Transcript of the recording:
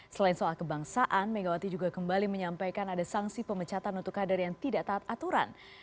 selain soal kebangsaan megawati juga kembali menyampaikan ada sanksi pemecatan untuk kader yang tidak taat aturan